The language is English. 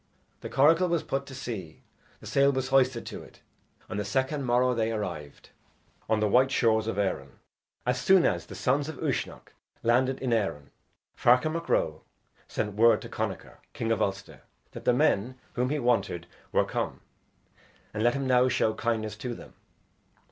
The coracle was put to sea, The sail was hoisted to it; And the second morrow they arrived On the white shores of Erin. As soon as the sons of Uisnech landed in Erin, Ferchar Mac Ro sent word to Connachar, king of Ulster, that the men whom he wanted were come, and let him now show kindness to them.